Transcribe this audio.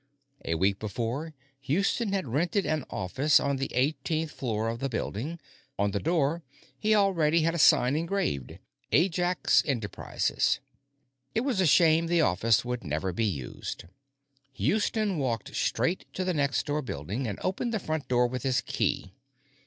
A week before, Houston had rented an office on the eighteenth floor of the building; on the door, he had already had a sign engraved: Ajax Enterprises. It was a shame the office would never be used. Houston walked straight to the next door building and opened the front door with his key.